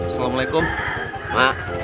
setelah mulai masalah